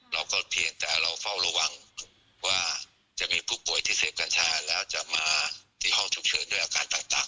เราก็เพียงแต่เราเฝ้าระวังว่าจะมีผู้ป่วยที่เสพกัญชาแล้วจะมาที่ห้องฉุกเฉินด้วยอาการต่าง